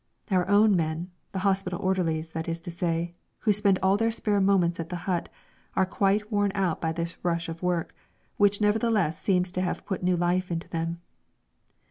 Our own men the hospital orderlies, that is to say who spend all their spare moments at the hut, are quite worn out by this rush of work, which nevertheless seems to have put new life into them.